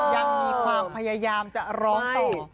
ยังมีความพยายามจะร้องต่อ